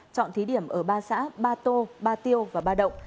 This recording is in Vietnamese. chọn thí điểm ở ba xã ba tô ba tiêu và ba động